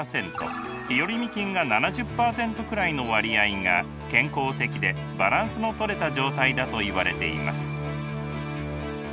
日和見菌が７０％くらいの割合が健康的でバランスのとれた状態だといわれています。